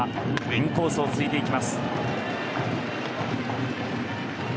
インコースをついていきます。